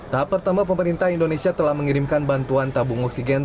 tahap pertama pemerintah indonesia telah mengirimkan bantuan tabung oksigen